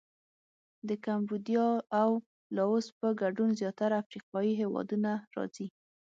د کمبودیا او لاووس په ګډون زیاتره افریقایي هېوادونه راځي.